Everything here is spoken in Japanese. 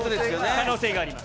可能性があります。